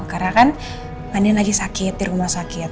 karena kan andin lagi sakit di rumah sakit